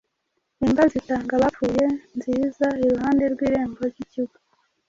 Imva zitanga abapfuye: nziza iruhande rw'irembo ry'ikigo,